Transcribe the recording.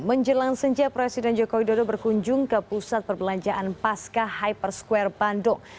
menjelang sejak presiden jokowi dodo berkunjung ke pusat perbelanjaan pasca hyper square bandung